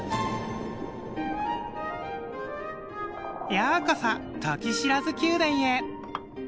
ようこそトキシラズ宮殿へ！